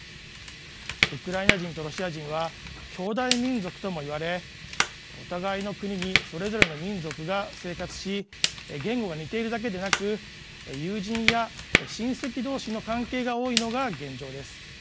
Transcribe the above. ウクライナ人とロシア人はきょうだい民族とも言われお互いの国にそれぞれの民族が生活し言語が似ているだけでなく友人や親戚どうしの関係が多いのが現状です。